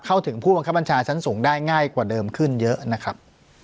ถึงผู้บังคับบัญชาชั้นสูงได้ง่ายกว่าเดิมขึ้นเยอะนะครับ